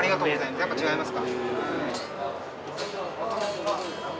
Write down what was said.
やっぱり違いますか？